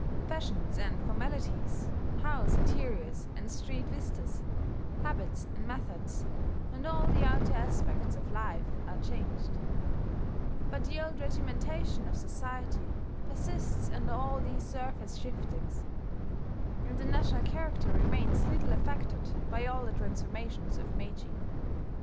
Fashions and formalities, house interiors and street vistas, habits and methods, and all the outer aspects of life are changed; but the old regimentation of society persists under all these surface shiftings; and the national character remains little affected by all the transformations of Meiji.